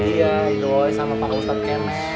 iya doi sama pak ustadz kemet